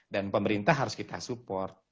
dan pemerintah harus kita support